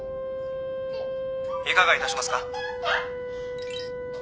「いかが致しますか？」